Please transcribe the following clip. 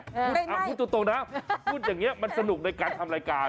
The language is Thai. ไม่คุณตรงนะครับพูดอย่างนี้มันสนุกในการทำรายการ